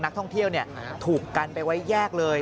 นักท่องเที่ยวถูกกันไปไว้แยกเลย